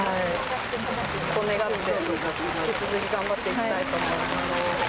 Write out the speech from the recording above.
そう願って、引き続き頑張っていきたいと思います。